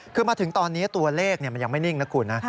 คือมาถึงตอนนี้ตัวเลขมันยังไม่นิ่งนะคุณนะ